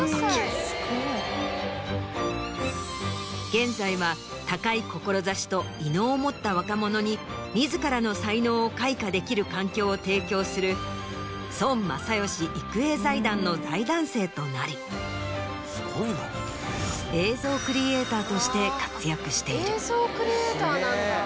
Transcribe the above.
現在は高い志と異能を持った若者に自らの才能を開花できる環境を提供する孫正義育英財団の財団生となり映像クリエイターとして活躍している。